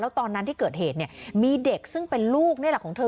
แล้วตอนนั้นที่เกิดเหตุมีเด็กซึ่งเป็นลูกของเธอ